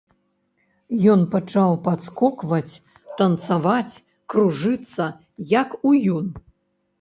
Ён пачаў падскокваць, танцаваць, кружыцца, як уюн.